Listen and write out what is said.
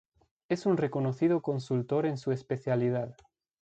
Es un reconocido consultor en su especialidad.